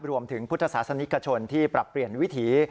รวมถึงพุทธศาสนิกชนที่ปรับเปลี่ยนวิถี